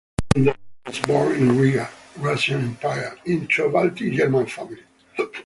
Zander was born in Riga, Russian Empire, into a Baltic German family.